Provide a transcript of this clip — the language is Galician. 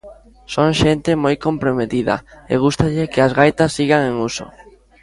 Son xente moi comprometida e gústalle que as gaitas sigan en uso.